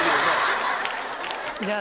じゃあ。